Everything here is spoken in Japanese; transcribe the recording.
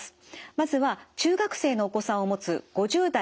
まずは中学生のお子さんを持つ５０代女性からです。